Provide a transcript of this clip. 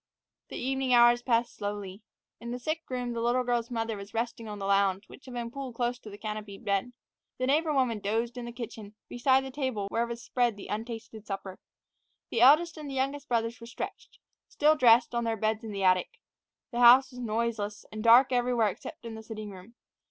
The evening hours passed slowly. In the sick room the little girl's mother was resting on the lounge, which had been pulled close to the canopied bed. The neighbor woman dozed in the kitchen, beside the table where was spread the untasted supper. The eldest and the youngest brothers were stretched, still dressed, on their beds in the attic. The house was noiseless, and dark everywhere except in the sitting room.